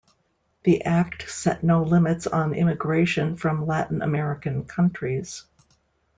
The Act set no limits on immigration from Latin American countries.